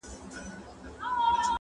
د پښتو ژبي چوپړ ته وقف کړی دی -